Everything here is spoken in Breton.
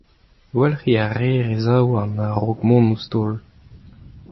Gwalc'hiñ a reer e zaouarn a-raok mont ouzh taol.